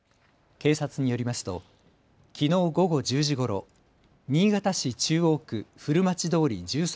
警察によりますときのう午後１０時ごろ新潟市中央区古町通１３